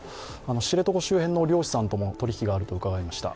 知床周辺の漁師さんとも取引があると伺いました。